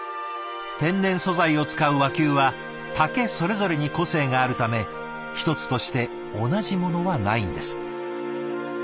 天然素材を使う和弓は竹それぞれに個性があるため一つとして同じものはないんです。